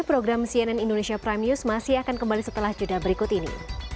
program cnn indonesia prime news masih akan kembali setelah juda berikut ini